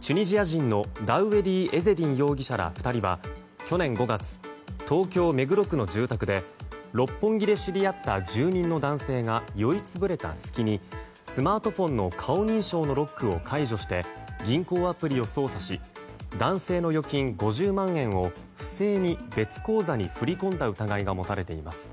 チュニジア人のダウエディ・エゼディン容疑者ら２人は去年５月、東京・目黒区の住宅で六本木で知り合った住人の男性が酔いつぶれた隙にスマートフォンの顔認証のロックを解除して銀行アプリを操作し男性の預金５０万円を不正に別口座に振り込んだ疑いが持たれています。